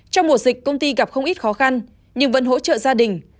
trong mùa dịch công ty gặp không ít khó khăn nhưng vẫn hỗ trợ gia đình